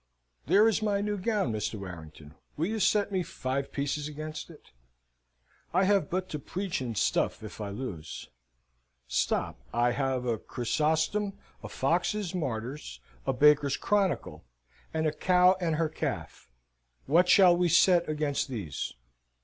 There is my new gown, Mr. Warrington. Will you set me five pieces against it? I have but to preach in stuff if I lose. Stop! I have a Chrysostom, a Foxe's Martyrs, a Baker's Chronicle, and a cow and her calf. What shall we set against these?"